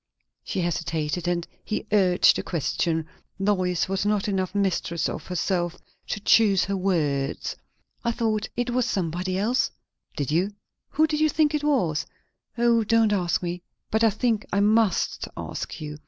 She hesitated, and he urged the question. Lois was not enough mistress of herself to choose her words. "I thought it was somebody else." "Did you? Who did you think it was?" "O, don't ask me!" "But I think I must ask you.